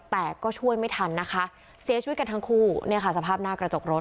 แต่ก็ช่วยไม่ทันนะคะเสียชีวิตกันทั้งคู่เนี่ยค่ะสภาพหน้ากระจกรถ